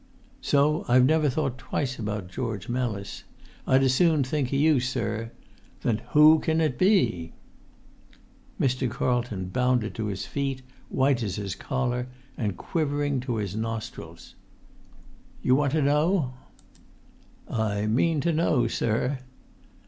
"So I've never thought twice about George Mellis. I'd as soon think o' you, sir. Then who can it be?" Mr. Carlton bounded to his feet, white as his collar, and quivering to his nostrils. "You want to know?" "I mean to know, sir."